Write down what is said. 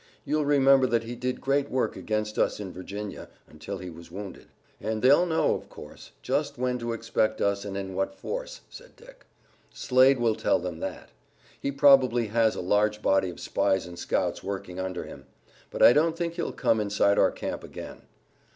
You'll remember that he did great work against us in Virginia, until he was wounded." "And they'll know, of course, just when to expect us and in what force," said Dick. "Slade will tell them that. He probably has a large body of spies and scouts working under him. But I don't think he'll come inside our camp again."